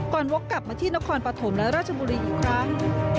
วกกลับมาที่นครปฐมและราชบุรีอีกครั้ง